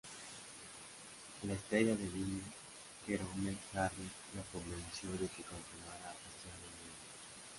La estrella de Vine, Jerome Jarre la convenció de que continuara haciendo vídeos.